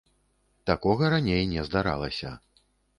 Такога раней не здаралася.